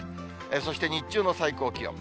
そして日中の最高気温。